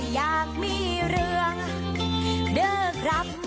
อยากมีเรื่อง